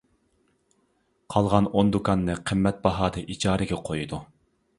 قالغان ئون دۇكاننى قىممەت باھادا ئىجارىگە قويىدۇ.